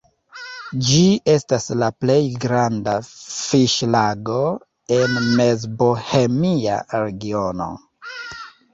Ĝi estas la plej granda fiŝlago en Mezbohemia regiono.